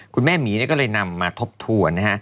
คุณแม่หมีก็เลยนำมาทบทวนนะฮะ